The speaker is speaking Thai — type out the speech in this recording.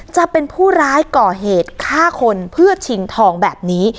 จะเป็นผู้ร้ายก่อเหตุฆ่าคนเพื่อชิงทองแบบนี้